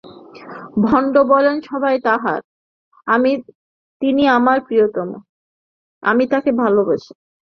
ভক্ত বলেন সবই তাঁহার, তিনি আমার প্রিয়তম, আমি তাঁহাকে ভালবাসি।